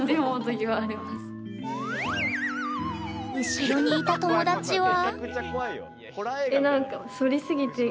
後ろにいた友達は？